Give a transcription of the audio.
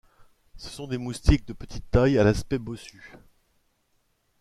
Ce sont des moustiques de petite taille à l'aspect bossu.